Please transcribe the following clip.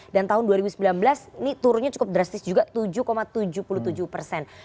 dan tahun dua ribu sembilan belas ini turunnya cukup drastis juga tujuh tujuh puluh tujuh persen